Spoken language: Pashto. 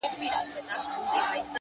هره ورځ د بدلون نوې دروازه پرانیزي’